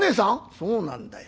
「そうなんだよ。